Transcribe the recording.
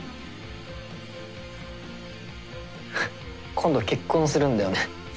今度結婚するんだよね。